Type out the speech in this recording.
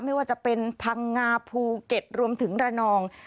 ไม่ว่าจะเป็นพังงาภูเก็ตรวมถึงระนอง